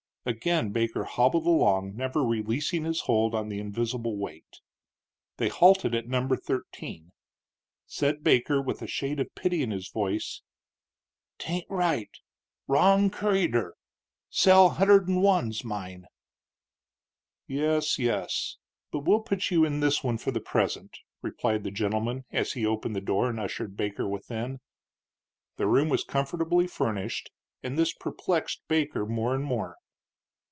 Again Baker hobbled along, never releasing his hold on the invisible weight. They halted at No. 13. Said Baker, with a shade of pity in his voice, "'Taint right. Wrong curryder. Cell hunder'd'n one's mine." "Yes, yes; but we'll put you in this one for the present," replied the gentleman, as he opened the door and ushered Baker within. The room was comfortably furnished, and this perplexed Baker more and more.